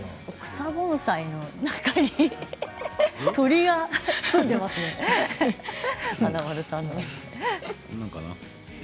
草盆栽の中に鳥が住んでいますね、華丸さん。